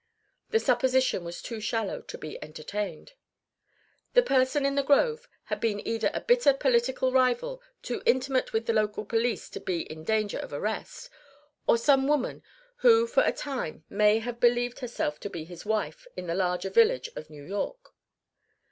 The supposition was too shallow to be entertained. The person in the grove had been either a bitter political rival too intimate with the local police to be in danger of arrest, or some woman who for a time may have believed herself to be his wife in the larger village of New York.